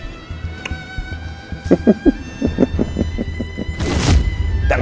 permainan akan dimulai